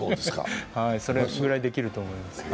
それぐらいできると思います。